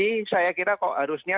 jadi saya kira kok harusnya